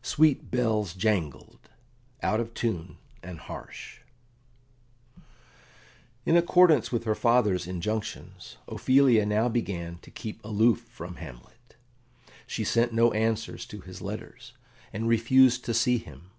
"Sweet Bells jangled, out of Tune and Harsh" In accordance with her father's injunctions, Ophelia now began to keep aloof from Hamlet; she sent no answers to his letters, and refused to see him.